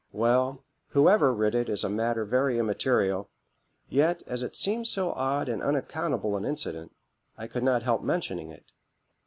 Well, whoever writ it is a matter very immaterial; yet, as it seemed so odd and unaccountable an incident, I could not help mentioning it.